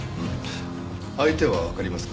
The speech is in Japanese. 相手はわかりますか？